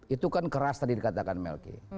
itu kan keras tadi dikatakan melky